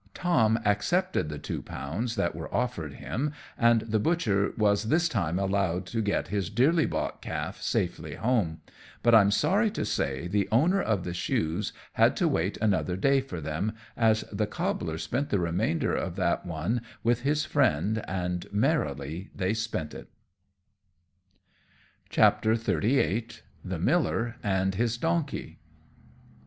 Tom accepted the two pounds that were offered him, and the butcher was this time allowed to get his dearly bought calf safely home; but I'm sorry to say the owner of the shoes had to wait another day for them, as the cobbler spent the remainder of that one with his friend, and merrily they spent it. XXXVIII. _The Miller and his Donkey.